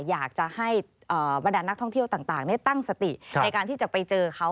อยากจะให้บรรดานนักท่องเที่ยวต่างได้ตั้งสติในการที่จะไปเจอเขา